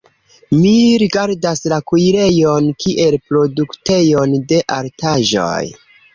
Mi rigardas la kuirejon kiel produktejon de artaĵoj.